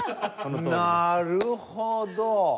なるほど！